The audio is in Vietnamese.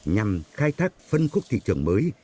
nhằm khai thác phân khúc thị trường mới